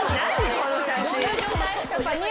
この写真。